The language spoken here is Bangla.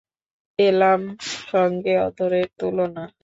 এলার সঙ্গে অধরের তুলনা!